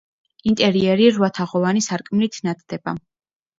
ინტერიერი რვა თაღოვანი სარკმლით ნათდება.